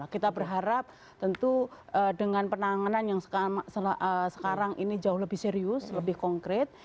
kita berharap tentu dengan penanganan yang sekarang ini jauh lebih serius lebih konkret